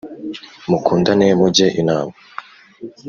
mukundane mujye inama